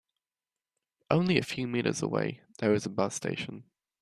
Only a few meters away there is a bus station.